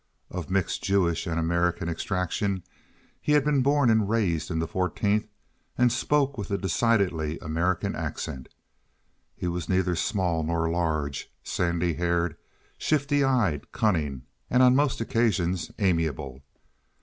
Of mixed Jewish and American extraction, he had been born and raised in the Fourteenth and spoke with a decidedly American accent. He was neither small nor large—sandy haired, shifty eyed, cunning, and on most occasions amiable.